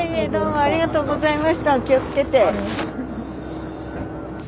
ありがとうございます。